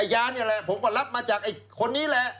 ยานี่แหละผมก็รับมาจากไอ้คนนี้แหละ